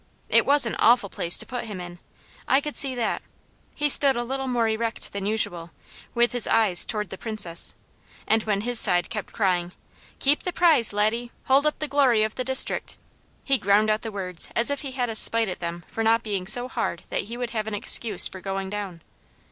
It was an awful place to put him in, I could see that. He stood a little more erect than usual, with his eyes toward the Princess, and when his side kept crying, "Keep the prize, Laddie! Hold up the glory of the district!" he ground out the words as if he had a spite at them for not being so hard that he would have an excuse for going down.